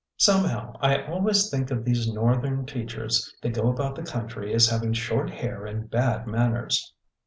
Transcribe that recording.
Somehow, I always think of these Northern teachers that go about the country as having short hair and bad manners."